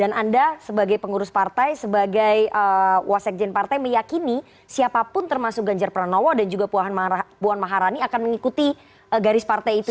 dan anda sebagai pengurus partai sebagai wasekjen partai meyakini siapapun termasuk ganjar pranowo dan juga puan maharani akan mengikuti garis partai itu ya